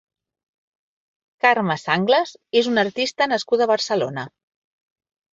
Carme Sanglas és una artista nascuda a Barcelona.